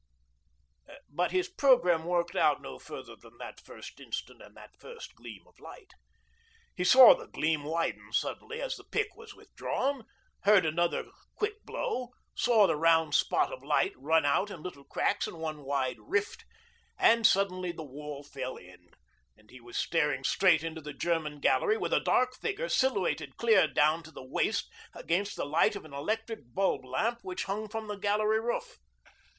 . But his programme worked out no further than that first instant and that first gleam of light. He saw the gleam widen suddenly as the pick was withdrawn, heard another quick blow, saw the round spot of light run out in little cracks and one wide rift, and suddenly the wall fell in, and he was staring straight into the German gallery, with a dark figure silhouetted clear down to the waist against the light of an electric bulb lamp which hung from the gallery roof.